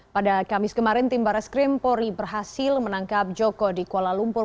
pada kamis kemarin tim barat skrimpori berhasil menangkap joko di kuala lumpur